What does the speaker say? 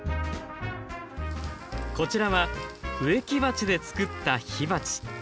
こちらは植木鉢で作った火鉢。